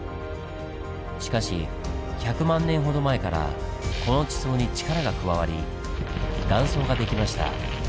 しかし１００万年ほど前からこの地層に力が加わり断層が出来ました。